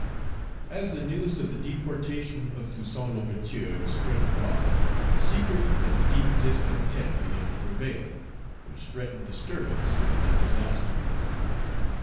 AS the news of the deportation of Toussaint L'Ouverture spread abroad, secret and deep discontent began to prevail, which threatened disturbance, if not disaster.